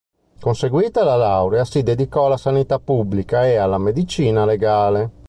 Conseguita la laurea, si dedicò alla sanità pubblica e alla medicina legale.